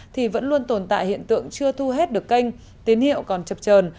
thì vẫn luôn tồn tại hiện tượng chưa thu hết được kênh tín hiệu còn chập trờn